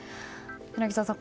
柳澤さん